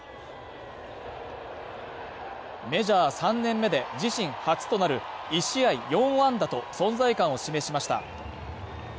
メジャー３年目で自身初となる１試合４安打と存在感を示しました。